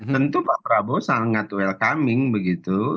tentu pak prabowo sangat welcoming begitu